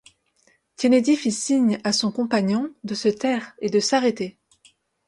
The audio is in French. Kennedy fit signe à son compagnon de se taire et de s’arrêter.